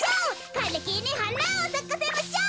かれきにはなをさかせましょう！」。